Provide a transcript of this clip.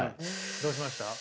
どうしました？